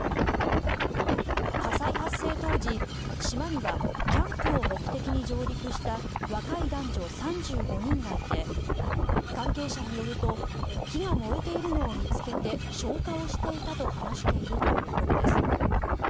火災発生当時、島にはキャンプを目的に上陸した若い男女３５人がいて関係者によると火が燃えているのを見つけて消火をしていたと話しているということです。